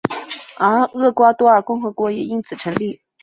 而厄瓜多尔共和国也因此成立。